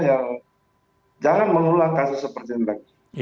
yang jangan mengulang kasus seperti ini